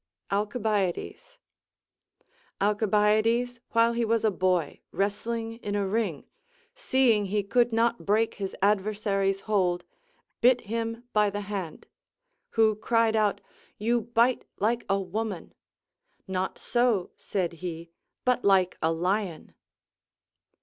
Alcibiades. Alcibiades while he was a boy, wrestling in a ring, seeing he could not break his adversary's hold, bit him by the hand ; Avho cried out. You bite like a Avoman. Not so, said he, but like a lion.